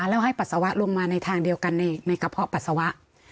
แล้วให้ปัสสาวะลงมาในทางเดียวกันในกระเพาะปัสสาวะ